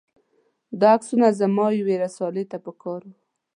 دا عکسونه زما یوې رسالې ته په کار و.